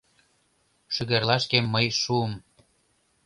Шӱгарлашкем мый шуым: